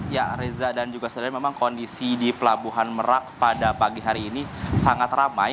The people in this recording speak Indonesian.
ya reza dan juga sudah memang kondisi di pelabuhan merak pada pagi hari ini sangat ramai